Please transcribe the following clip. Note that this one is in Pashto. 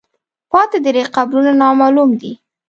پاتې درې قبرونه نامعلوم دي.